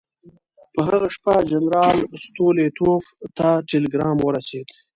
په هغه شپه جنرال ستولیتوف ته ټلګرام ورسېد.